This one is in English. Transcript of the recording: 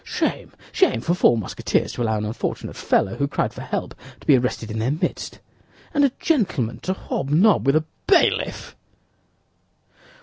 "Shame, shame, for four Musketeers to allow an unfortunate fellow who cried for help to be arrested in their midst! And a gentleman to hobnob with a bailiff!"